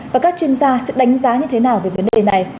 và các chuyên gia sẽ đánh giá như thế nào về vấn đề này